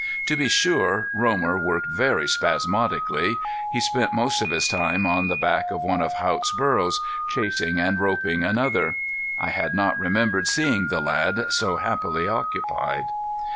To be sure Romer worked very spasmodically. He spent most of his time on the back of one of Haught's burros, chasing and roping another. I had not remembered seeing the lad so happily occupied.